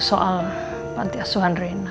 soal panti asuhan reina